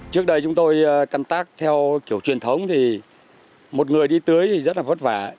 trước đây chúng tôi căn tác theo kiểu truyền thống thì một người đi tưới thì rất là vất vả